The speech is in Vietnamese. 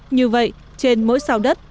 như vậy trên mỗi xào đất